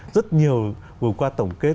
rất nhiều vừa qua tổng kết